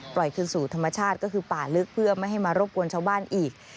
คืนสู่ธรรมชาติก็คือป่าลึกเพื่อไม่ให้มารบกวนชาวบ้านอีก